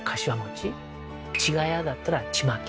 ちがやだったらちまき。